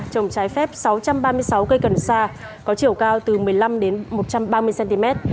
trồng trái phép sáu trăm ba mươi sáu cây cần sa có chiều cao từ một mươi năm đến một trăm ba mươi cm